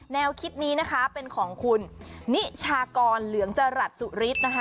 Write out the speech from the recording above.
แนวคิดนี้นะคะเป็นของคุณนิชากรเหลืองจรัสสุฤทธิ์นะคะ